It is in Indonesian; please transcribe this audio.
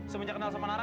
semenjak kenal sama nara